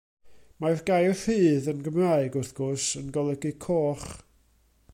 Mae'r gair rhudd yn Gymraeg, wrth gwrs, yn golygu coch.